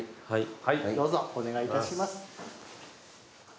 はい。